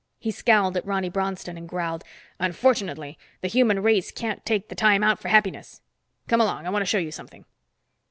He scowled at Ronny Bronston and growled, "Unfortunately, the human race can't take the time out for happiness. Come along, I want to show you something."